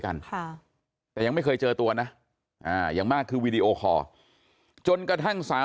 กันค่ะแต่ยังไม่เคยเจอตัวนะอย่างมากคือวีดีโอคอร์จนกระทั่งสาว